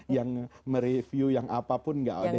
yang mereview yang apapun nggak ada